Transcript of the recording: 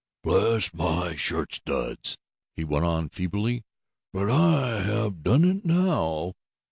"Bless my shirt studs!" he went on feebly. "But I have done it now!"